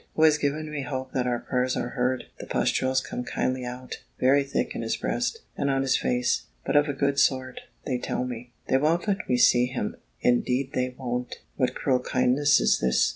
who has given me hope that our prayers are heard, the pustules come kindly out, very thick in his breast, and on his face: but of a good sort, they tell me. They won't let me see him; indeed they won't! What cruel kindness is this!